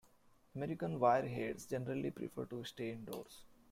American Wirehairs generally prefer to stay indoors.